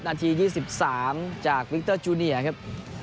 นาที๒๓จากวิกเตอร์จูเนียครับ